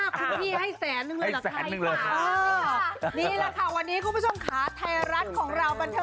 เพลงก่อนหน้าที่จบไปคือน้ำตานองเจ้าระเข้